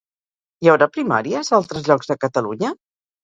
Hi haurà primàries a altres llocs de Catalunya?